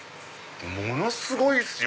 ものすごいっすよ